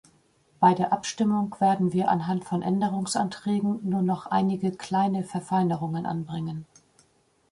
Bei der Abstimmung werden wir anhand von Änderungsanträgen nur noch einige kleine Verfeinerungen anbringen.